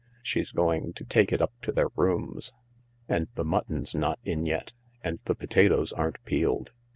She's going to take it up to their rooms. And the mutton's not in yet, and the potatoes aren't peeled.